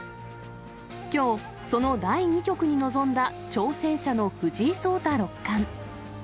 きょう、その第２局に臨んだ挑戦者の藤井聡太六冠。